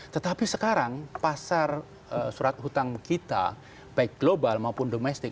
tetapi sekarang pasar surat hutang kita baik global maupun domestik